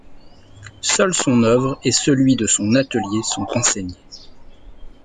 Seuls son œuvre et celui de son atelier sont renseignés.